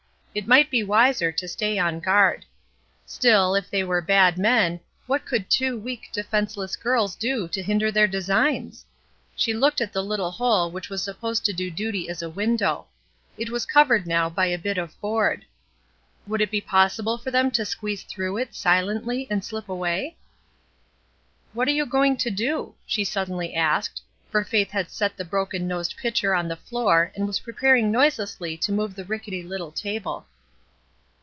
It might be wiser to stay on guard. Still, if they were bad men, what could two weak defence less girls do to hinder their designs ? She looked at the little hole which was supposed to do duty as a window. It was covered now by a bit of board; would it be possible for them to squeeze through it silently and slip away? "What are you going to do?" she suddenly asked, for Faith had set the broken nosed pitcher on the floor and was preparing noiselessly to move the rickety little table.